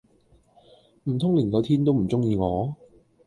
唔通連個天都唔鐘意我？